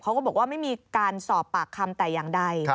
เขาก็บอกว่าไม่มีการสอบปากคำแต่อย่างใด